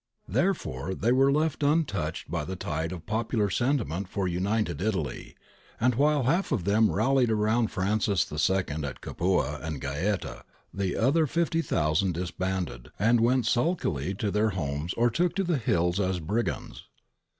Therefore they were left un touched by the tide of popular sentiment for United Italy, and while one half of them rallied round Francis II at Capua and Gaeta, the other 50,000 disbanded and went sulkily to their homes or took to the hills as brigands.